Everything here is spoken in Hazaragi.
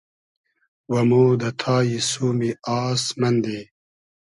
و مۉ دۂ تایی سومی آس مئندی